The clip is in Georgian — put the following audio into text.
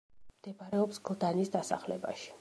მდებარეობს გლდანის დასახლებაში.